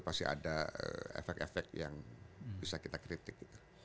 pasti ada efek efek yang bisa kita kritik gitu